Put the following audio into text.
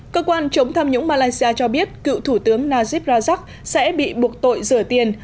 cơ quan chống tham nhũng malaysia cho biết cựu thủ tướng najib rajak sẽ bị buộc tội rửa tiền